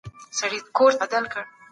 دا لایحه باید په پښتو کي تدوین سي.